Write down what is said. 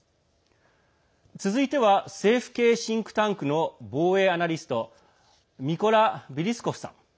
続いては、政府系シンクタンクの防衛アナリストミコラ・ビリスコフさん。